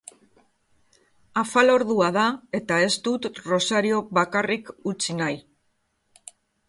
Afalordua da, eta ez dut Rosario bakarrik utzi nahi.